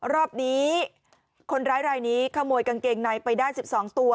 รอบนี้คนร้ายรายนี้ขโมยกางเกงในไปได้๑๒ตัว